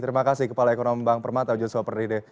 terima kasih kepala ekonomi bank permata joshua perdide